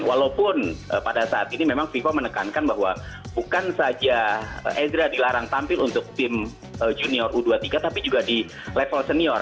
walaupun pada saat ini memang fifa menekankan bahwa bukan saja ezra dilarang tampil untuk tim junior u dua puluh tiga tapi juga di level senior